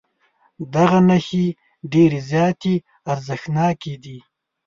دغه نښې ډېرې زیاتې ارزښتناکې دي.